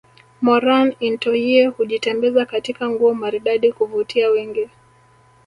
Moran intoyie hujitembeza katika nguo maridadi kuvutia wengi